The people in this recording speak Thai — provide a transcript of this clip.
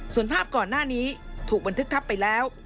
ส่วนภาพก่อนหน้านี้ถูกบันทึกทับไปแล้ว